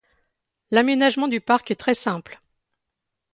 L'aménagement du parc est très simple.